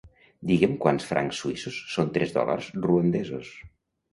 Digue'm quants francs suïssos són tres dòlars ruandesos.